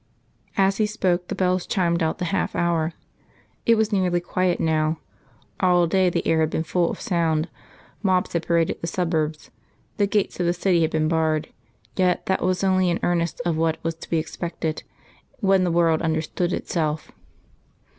As he spoke, the bells chimed out the half hour. It was nearly quiet now. All day the air had been full of sound; mobs had paraded the suburbs; the gates of the City had been barred, yet that was only an earnest of what was to be expected when the world understood itself.